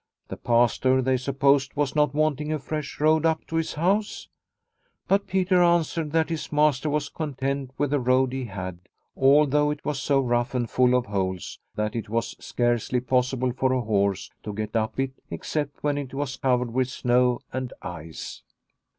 The Pastor, they supposed, was not wanting a fresh road up to his house ? But Peter answered that his master was content with the road he had, although it was so rough and full of holes that it was scarcely possible for a horse to get up it except when it was covered with snow and ice.